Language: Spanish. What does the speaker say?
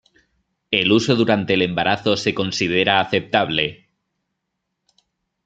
El uso durante el embarazo se considera aceptable.